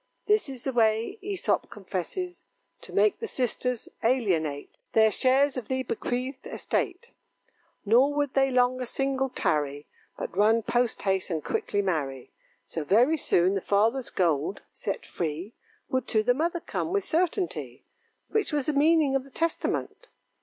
This is the way, Æsop confesses, To make the sisters alienate Their shares of the bequeathed estate; Nor would they longer single tarry, But run post haste, and quickly marry; So very soon the father's gold, set free, Would to the mother come, with certainty, Which was the meaning of the testament.